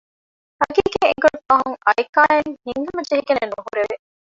ހަޤީޤަތް އެނގުނު ފަހުން އައިކާއަށް ހިތްހަމަޖެހިގެނެއް ނުހުރެވެ